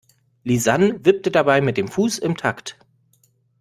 Lisann wippt dabei mit dem Fuß im Takt.